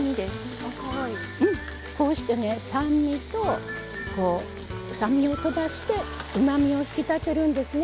こうして酸味をとばしてうまみを引き立てるんですね。